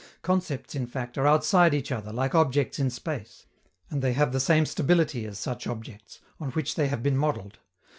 Concepts, in fact, are outside each other, like objects in space; and they have the same stability as such objects, on which they have been modeled.